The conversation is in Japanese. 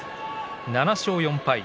７勝４敗。